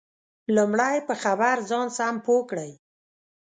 لمړی په خبر ځان سم پوه کړئ